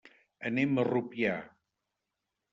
Anem a Rupià.